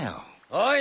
おい。